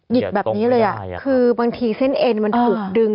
หิกแบบนี้เลยอ่ะคือบางทีเส้นเอ็นมันถูกดึง